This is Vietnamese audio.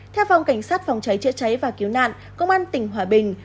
theo phòng cảnh sát phòng cháy chữa cháy và cứu nạn công an tỉnh hòa bình